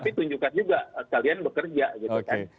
tapi tunjukkan juga kalian bekerja gitu kan